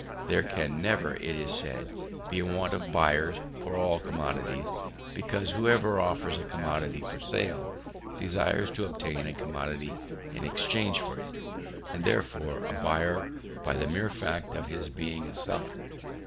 There can never, it is said, be a want of buyers for all commodities; because whoever offers a commodity for sale, desires to obtain a commodity in exchange for it, and is therefore a buyer by the mere fact of his being a seller.